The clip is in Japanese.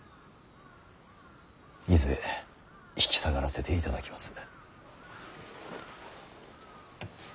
伊豆へ引き下がらせていただきます。